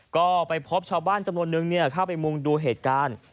ก็ไปพบชาวบ้านจำนวนนึงเข้าไปมุงดูเหตุการณ์